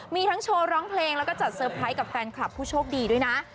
มีทั้งโชว์ร้องเพลงแล้วก็จัดเตอร์ไพรส์กับแฟนคลับผู้โชคดีด้วยนะ